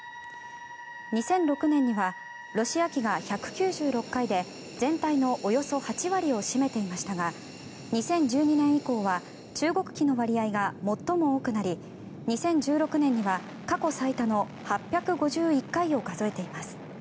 ２００６年にはロシア機が１９６回で全体のおよそ８割を占めていましたが２０１２年以降は中国機の割合が最も高くなり２０１６年には過去最多の８５１回を数えています。